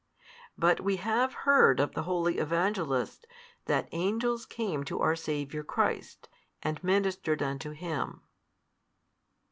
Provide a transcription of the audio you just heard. But we have heard of the Holy Evangelists, that angels came to our Saviour Christ, and ministered unto Him.